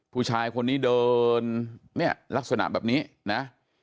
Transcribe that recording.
ผู้ชายคนนี้เดินเนี่ยลักษณะแบบนี้นะ